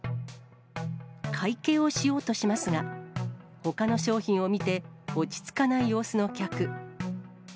会計をしようとしますが、ほかの商品を見て、落ち着かない様子の客。